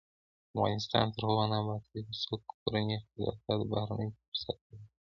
افغانستان تر هغو نه ابادیږي، ترڅو کورني اختلافات بهرنیو ته فرصت ورنکړي.